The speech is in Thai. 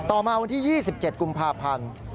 มาวันที่๒๗กุมภาพันธ์